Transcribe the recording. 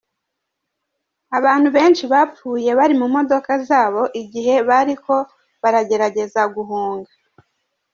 Abantu benshi bapfuye bari mu modoka zabo igihe bariko baragerageza guhunga.